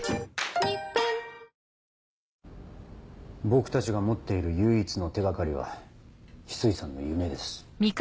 僕たちが持っている唯一の手掛かりは翡翠さんの夢です。